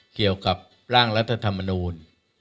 เกี่ยวกับร่างรัฐธรรมนูล